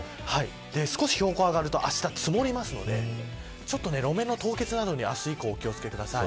少し標高が上がるとあした、積もりますのでちょっと路面の凍結などに明日以降、お気を付けください。